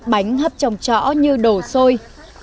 bánh hấp trong chõ như đổ xôi